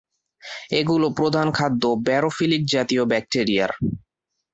এগুলো প্রধান খাদ্য ব্যারোফিলিকজাতীয় ব্যাকটেরিয়ার।